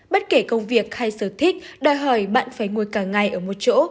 bất kể công việc hay sở thích đòi hỏi bạn phải ngồi cả ngày ở một chỗ